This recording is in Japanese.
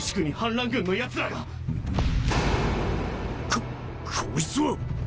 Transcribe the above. ここいつは！